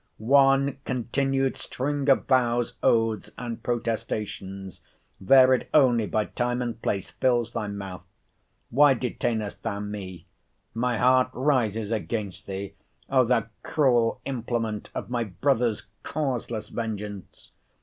—One continued string of vows, oaths, and protestations, varied only by time and place, fills thy mouth!—Why detainest thou me? My heart rises against thee, O thou cruel implement of my brother's causeless vengeance.